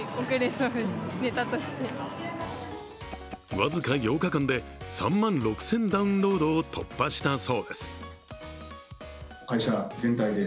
僅か８日間で３万６０００ダウンロードを突破したそうです。